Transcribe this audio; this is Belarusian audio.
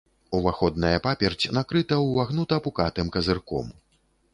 Уваходная паперць накрыта ўвагнута-пукатым казырком.